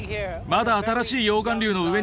まだ新しい溶岩流の上に来ました。